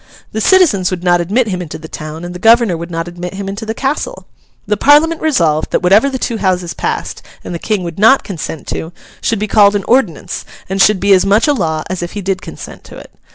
The citizens would not admit him into the town, and the governor would not admit him into the castle. The Parliament resolved that whatever the two Houses passed, and the King would not consent to, should be called an Ordinance, and should be as much a law as if he did consent to it.